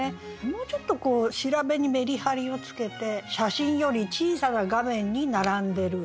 もうちょっとこう調べにメリハリをつけて「写真より小さな画面に並んでる」。